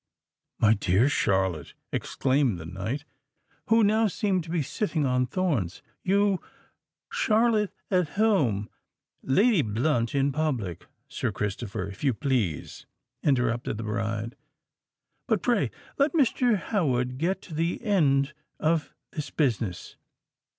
"My dear Charlotte," exclaimed the knight, who now seemed to be sitting on thorns, "you——" "Charlotte at home—Lady Blunt in public, Sir Christopher—if you please," interrupted the bride. "But pray let Mr. Howard get to the end of this business."